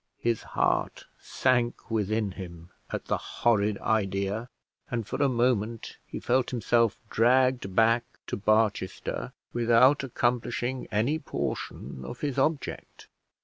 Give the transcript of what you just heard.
His heart sank within him at the horrid idea, and for a moment he felt himself dragged back to Barchester without accomplishing any portion of his object.